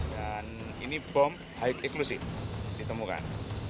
dan ini bom high eklusif ditemukan